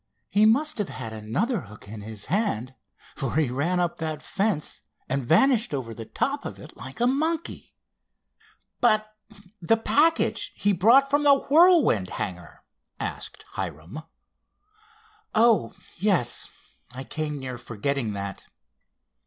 He must have had another hook in his hand for he ran up that fence and vanished over the top of it like a monkey." "But the package he brought from the Whirlwind hangar?" asked Hiram. "Oh, yes—I came near forgetting that.